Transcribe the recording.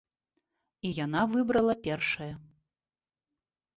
І яна выбрала першае.